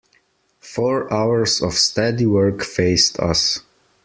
Four hours of steady work faced us.